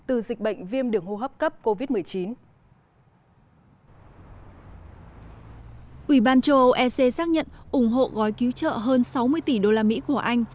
ủy ban châu âu ec xác nhận ủng hộ gói cứu trợ hơn sáu mươi tỷ đô la mỹ của anh